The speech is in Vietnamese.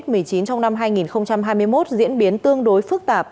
do dịch covid một mươi chín trong năm hai nghìn hai mươi một diễn biến tương đối phức tạp